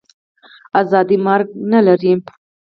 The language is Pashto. آزادي مرګ نه لري.